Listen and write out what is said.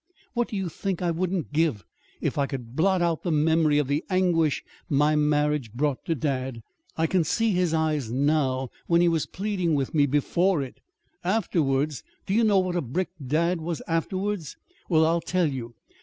What do you think I wouldn't give if I could blot out the memory of the anguish my marriage brought to dad? I can see his eyes now, when he was pleading with me before it. Afterwards Do you know what a brick dad was afterwards? Well, I'll tell you.